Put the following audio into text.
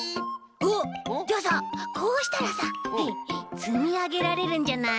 あっじゃあさこうしたらさつみあげられるんじゃない？